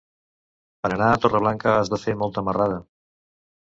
Per anar a Torreblanca has de fer molta marrada.